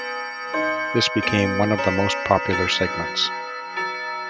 This became one of the most popular segments.